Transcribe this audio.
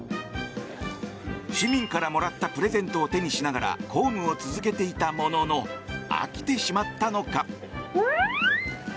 市民からもらったプレゼントを手にしながら公務を続けていたものの飽きてしまったのか。